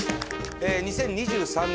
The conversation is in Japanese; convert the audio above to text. ２０２３年